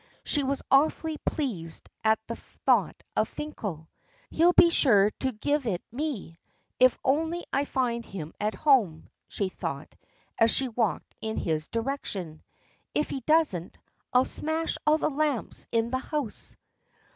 She was awfully pleased at the thought of Finkel. "He'll be sure to give it me, if only I find him at home," she thought, as she walked in his direction. "If he doesn't, I'll smash all the lamps in the house."